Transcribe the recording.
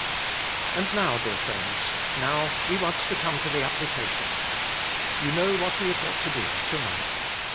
And now, dear friends, now we want to come to the application. You know what we have got to do, to night.